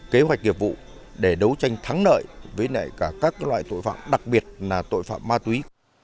kế hoạch nghiệp vụ để đấu tranh thắng lợi với cả các loại tội phạm đặc biệt là tội phạm ma túy